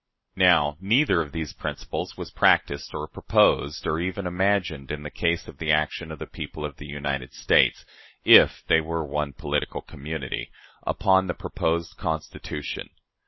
Now, neither of these principles was practiced or proposed or even imagined in the case of the action of the people of the United States (if they were one political community) upon the proposed Constitution.